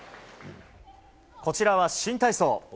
こちらは新体操。